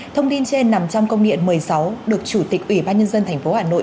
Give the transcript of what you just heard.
thông tin trên nằm trong công điện một mươi sáu được chủ tịch ủy ban nhân dân tp hà nội